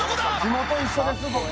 地元一緒です僕。